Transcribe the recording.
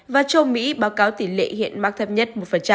và châu mỹ báo cáo tỷ lệ hiện mắc thấp nhất một